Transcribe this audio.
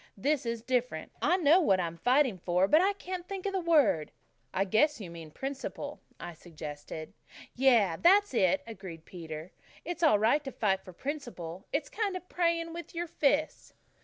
"This is different. I know what I'm fighting for but I can't think of the word." "I guess you mean principle," I suggested. "Yes, that's it," agreed Peter. "It's all right to fight for principle. It's kind of praying with your fists."